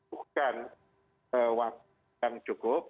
bukan waktu yang cukup